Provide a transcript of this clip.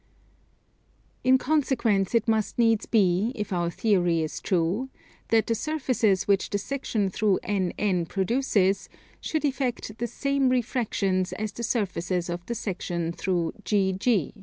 In consequence it must needs be, if our theory is true, that the surfaces which the section through NN produces should effect the same refractions as the surfaces of the section through GG.